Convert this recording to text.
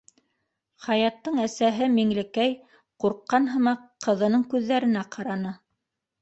— Хаяттың әсәһе Миңлекәй, ҡурҡҡан һымаҡ, ҡыҙының күҙҙәренә ҡараны.